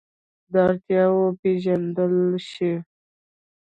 دا اړتیاوې وپېژندل شي.